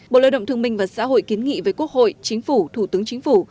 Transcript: bộ lợi động thương minh và xã hội kiến nghị với quốc hội chính phủ thủ tướng chính phủ